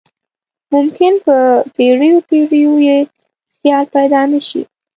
ممکن په پیړیو پیړیو یې سیال پيدا نه شي.